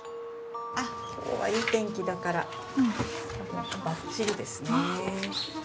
あっ今日はいい天気だからバッチリですね。